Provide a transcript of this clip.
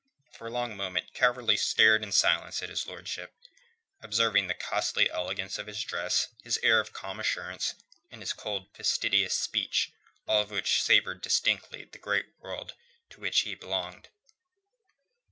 For a long moment Calverley stared in silence at his lordship, observing the costly elegance of his dress, his air of calm assurance, and his cold, fastidious speech, all of which savoured distinctly of the great world to which he belonged.